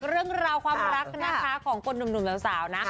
เรื่องราวความรักนะคะของคนหนุ่มสาวนะ